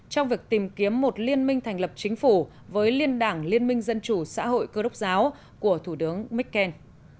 trong việc tìm kiếm một liên minh thành lập chính phủ với liên đảng liên minh dân chủ xã hội cơ đốc giáo của thủ tướng merkel